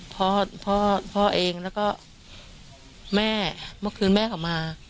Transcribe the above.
พ่อพ่อเองแล้วก็แม่เมื่อคืนแม่เขามา